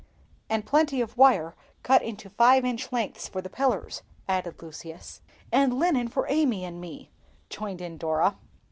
"And plenty of wire, cut into five inch lengths for the pillars," added Lucius. "And linen for Amy and me," joined in Dora.